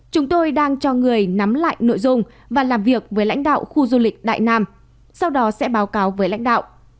chúng tôi đang cho người nắm lại nội dung và làm việc với lãnh đạo khu du lịch đại nam sau đó sẽ báo cáo với lãnh đạo